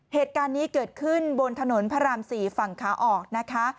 เหตุการณ์นี้เกิดขึ้นบนถนนพระราม๔ฝั่งขาออกนะคะ